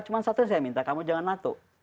cuma satu yang saya minta kamu jangan nato